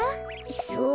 そう？